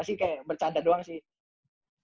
sih kayak bercanda doang sih